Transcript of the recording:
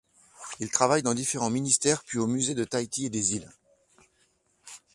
Il travaille dans différents ministères, puis au musée de Tahiti et des îles.